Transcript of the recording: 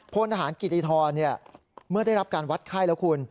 พลทหารกิติธรเมื่อได้รับการวัดไข้แล้วคุณ